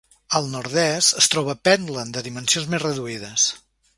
Al nord-est es troba Pentland, de dimensions més reduïdes.